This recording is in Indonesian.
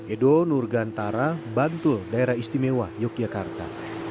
edo nurgantara bantul daerah istimewa yogyakarta